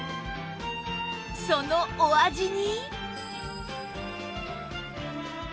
そのお味に